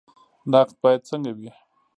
نقد باید څنګه وي؟